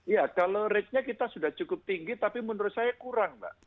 ya kalau ratenya kita sudah cukup tinggi tapi menurut saya kurang mbak